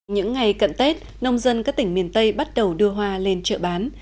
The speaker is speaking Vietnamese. những ngày cận tết nông dân các tỉnh miền tây bắt đầu đưa hoa lên chợ bán